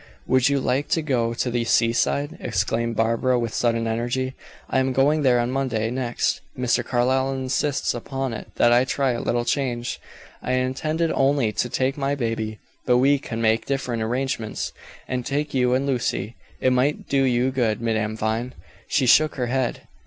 "Would you like to go to the seaside?" exclaimed Barbara with sudden energy. "I am going there on Monday next. Mr. Carlyle insists upon it that I try a little change. I had intended only to take my baby, but we can make different arrangements, and take you and Lucy. It might do you good, Madame Vine." She shook her head.